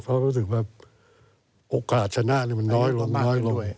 เพราะรู้สึกว่าโอกาสชนะนี่มันน้อยลงลง